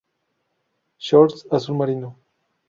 Shorts:Azul marino.